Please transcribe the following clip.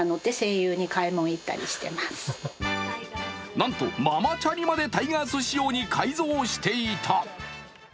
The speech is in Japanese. なんとママチャリまでタイガース仕様に改造していた。